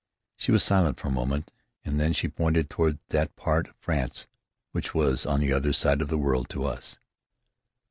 She was silent for a moment, and then she pointed toward that part of France which was on the other side of the world to us.